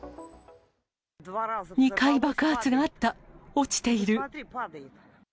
２回爆発があった、落ちている。